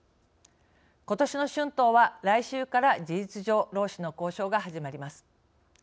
ことしの春闘は、来週から事実上労使の交渉が始まります。